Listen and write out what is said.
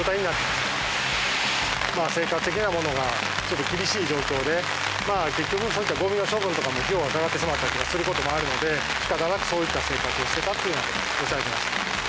まあ生活的なものがちょっと厳しい状況でまあ結局そういったゴミの処分とかも費用がかかってしまったりとかする事もあるので仕方なくそういった生活をしてたっていうような事をおっしゃられてました。